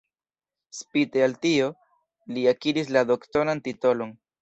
Spite al tio, li akiris la doktoran titolon.